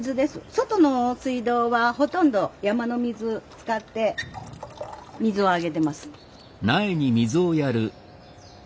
外の水道はほとんど山の水使って水をあげてます。